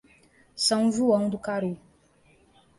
São João do Caru